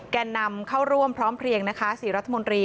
แก่นำเข้าร่วมพร้อมเพลียงนะคะ๔รัฐมนตรี